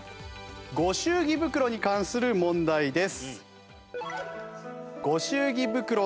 ご祝儀袋に関する問題です。